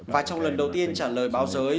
và trong lần đầu tiên trả lời báo giới